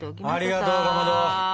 ありがとうかまど！